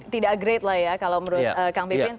tidak great lah ya kalau menurut kang bipin